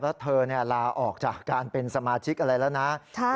แล้วเธอลาออกจากการเป็นสมาชิกอะไรแล้วนะ